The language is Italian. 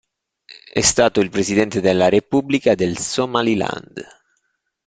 È stato il presidente della Repubblica del Somaliland.